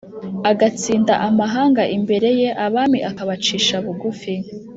agatsinda amahanga imbere ye, abami akabacisha bugufi?